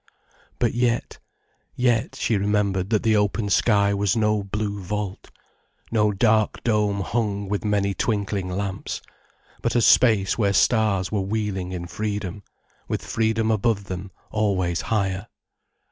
But yet—yet she remembered that the open sky was no blue vault, no dark dome hung with many twinkling lamps, but a space where stars were wheeling in freedom, with freedom above them always higher.